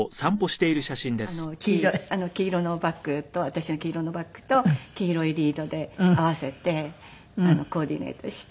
この時は黄色のバッグと私の黄色のバッグと黄色いリードで合わせてコーディネートして。